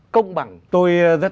công bằng tôi rất